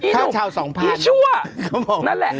เดี๋ยวนั้นจะทำเป็นหูร้อนี่